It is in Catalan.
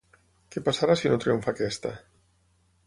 Què passarà si no triomfa aquesta?